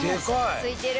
付いてる。